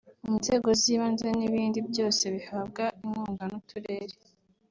inzego z’ibanze n’ibindi byose bihabwa inkunga n’uturere